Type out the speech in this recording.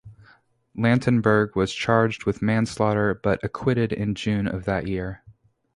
Lantenberg was charged with manslaughter but acquitted in June of that year.